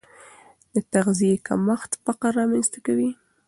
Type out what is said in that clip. د تغذیې کمښت فقر رامنځته کوي.